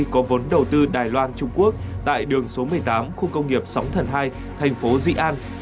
có vốn đầu tư đài loan trung quốc tại đường số một mươi tám khu công nghiệp sóng thần hai thành phố dị an